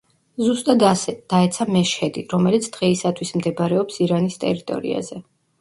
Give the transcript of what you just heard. ზუსტად ასე, დაეცა მეშჰედი, რომელიც დღეისათვის მდებარეობს ირანის ტერიტორიაზე.